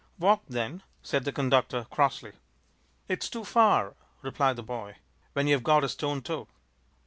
"Walk, then!" said the conductor, crossly. "It's too far," replied the boy, "when you've got a stone toe."